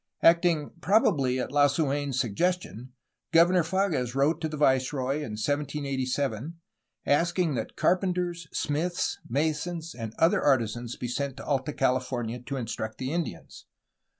Acting probably at Lasuen's suggestion Governor Pages wrote to the viceroy in 1787, asking that carpenters, smiths, masons, and other artisans be sent to Alta California to instruct the Indians.